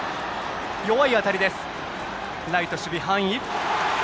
弱い当たり、ライトの守備範囲。